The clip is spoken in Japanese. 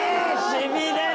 しびれる！